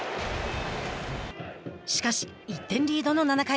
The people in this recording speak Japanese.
しかし、１点リードの７回。